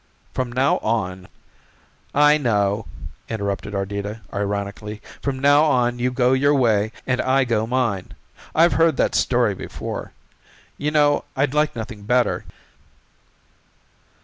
From now on " "I know," interrupted Ardita ironically, "from now on you go your way and I go mine. I've heard that story before. You know I'd like nothing better."